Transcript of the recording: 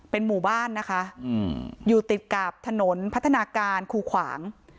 เป็นหมู่บ้านนะคะอยู่ติดกับถนนพัฒนาการคูขวาง